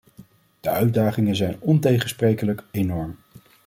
De uitdagingen zijn ontegensprekelijk enorm.